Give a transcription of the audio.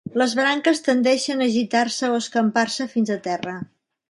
Les branques tendeixen a agitar-se o escampar-se fins a terra.